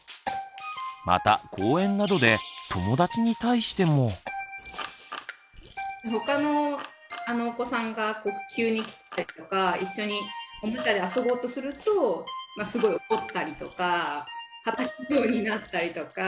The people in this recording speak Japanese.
また公園などでほかのお子さんが急に来たりとか一緒におもちゃで遊ぼうとするとすごい怒ったりとかたたくようになったりとか。